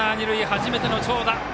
初めての長打。